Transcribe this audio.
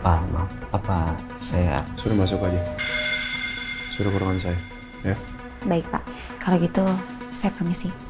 pak maaf apa saya suruh masuk aja suruh perbaikan saya ya baik pak kalau gitu saya permisi ya makasih bel